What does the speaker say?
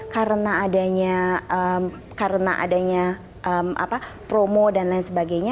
karena adanya promo dan lain sebagainya